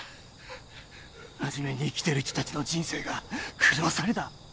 真面目に生きてる人達の人生が狂わされた